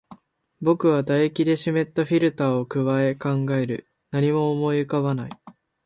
僕は唾液で湿ったフィルターを咥え、考える。何も思い浮かばない。